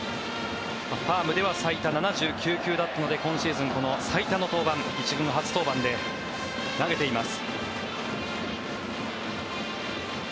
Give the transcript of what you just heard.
ファームでは最多は７９球だったので今シーズン最多の登板１軍の初登板で投げています。